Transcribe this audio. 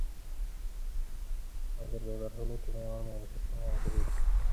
যশোর সদর উপজেলার কিসমত নওয়াপাড়া এলাকায় ঘটা এ দুর্ঘটনায় দুজন নিহত হন।